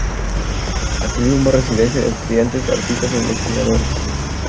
Asimismo es residencia de estudiantes, artistas e investigadores.